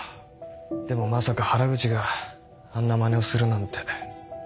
でもまさか原口があんな真似をするなんて。